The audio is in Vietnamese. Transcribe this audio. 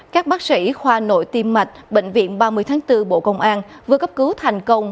các bác sĩ khoa nội tiêm mạch bệnh viện ba mươi tháng bốn bộ công an vừa cấp cứu thành công